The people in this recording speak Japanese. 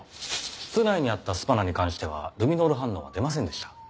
室内にあったスパナに関してはルミノール反応は出ませんでした。